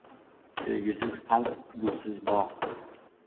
• Sevgisiz qalb — gulsiz bog‘.